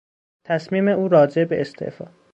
تصمیم او راجع به استعفا